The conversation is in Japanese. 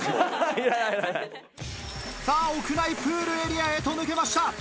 さぁ屋内プールエリアへと抜けました。